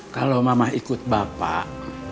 kalau mama ikut bapak